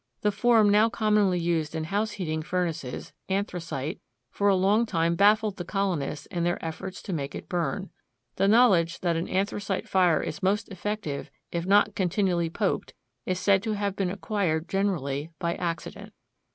The form now commonly used in house heating furnaces, anthracite, for a long time baffled the colonists in their efforts to make it burn. The knowledge that an anthracite fire is most effective if not continually poked is said to have been acquired generally by accident.